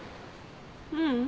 ううん。